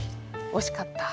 おしかった。